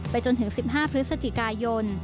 จนถึง๑๕พฤศจิกายน